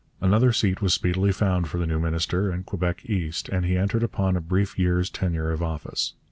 Another seat was speedily found for the new minister, in Quebec East, and he entered upon a brief year's tenure of office.